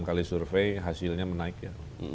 enam kali survei hasilnya menaik ya